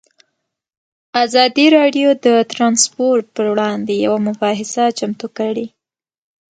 ازادي راډیو د ترانسپورټ پر وړاندې یوه مباحثه چمتو کړې.